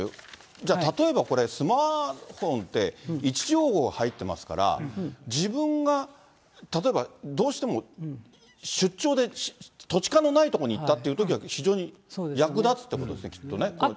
じゃあ例えばこれ、スマートフォンで位置情報が入ってますから、自分が、例えば、どうしても出張で土地勘のない所に行ったというときは、非常に役立つってことであと。